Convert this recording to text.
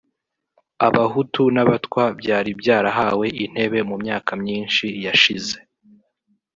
Abahutu n’Abatwa byari byarahawe intebe mu myaka myinshi yashize